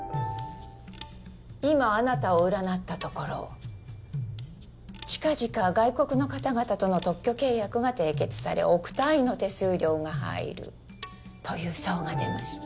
今あなたを占ったところ近々外国の方々との特許契約が締結され億単位の手数料が入るという相が出ました